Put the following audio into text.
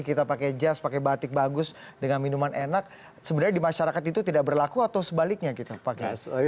kita pakai jazz pakai batik bagus dengan minuman enak sebenarnya di masyarakat itu tidak berlaku atau sebaliknya kita pakai